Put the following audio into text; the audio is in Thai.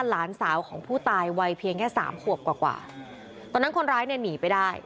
หลานสาวของผู้ตายวัยเพียงแค่สามขวบกว่ากว่าตอนนั้นคนร้ายเนี่ยหนีไปได้